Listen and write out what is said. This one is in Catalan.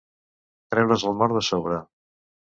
Treure's el mort de sobre.